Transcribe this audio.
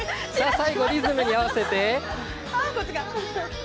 最後リズムに合わて。